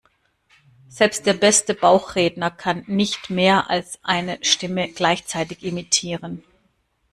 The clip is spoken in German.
Selbst der beste Bauchredner kann nicht mehr als eine Stimme gleichzeitig imitieren.